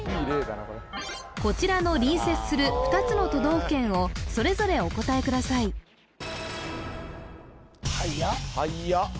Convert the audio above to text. こちらの隣接する２つの都道府県をそれぞれお答えくださいはやっはやっ